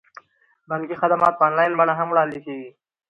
بانکي خدمات په انلاین بڼه هم وړاندې کیږي.